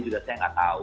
juga saya gak tau